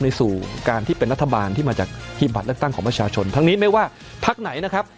สู่การที่เป็นรัฐบาลที่มาจากหีบบัตรเลือกตั้งของประชาชนทั้งนี้ไม่ว่าพักไหนนะครับ